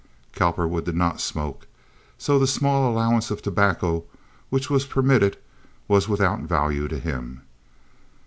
Cowperwood did not smoke, so the small allowance of tobacco which was permitted was without value to him.